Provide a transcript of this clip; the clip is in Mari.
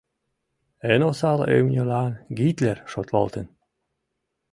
Эн осал имньылан «Гитлер» шотлалтын.